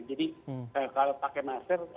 jadi kalau pakai masker